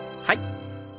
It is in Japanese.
はい。